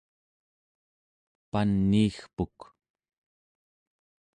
paniigpuk